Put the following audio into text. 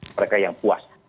mereka yang puas